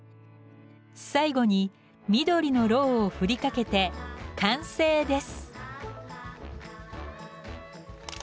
最後に緑の蝋を振りかけて完成です。